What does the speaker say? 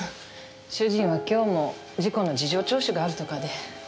主人は今日も事故の事情聴取があるとかで。